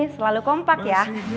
selalu kompak ya